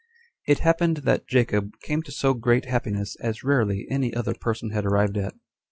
1. It happened that Jacob came to so great happiness as rarely any other person had arrived at.